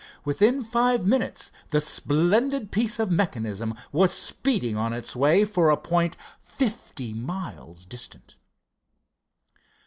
Within five minutes the splendid piece of mechanism was speeding on its way for a point fifty miles distant.